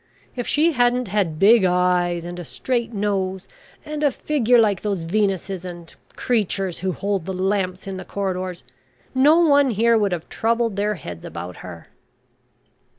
If she hadn't had big eyes, and a straight nose, and a figure like those Venuses and creatures who hold the lamps in the corridors, no one here would have troubled their heads about her!"